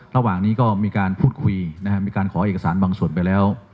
ระหว่างนี้ก็มีการพูดคุยนะครับมีการขอเอกสารบางส่วนไปแล้ว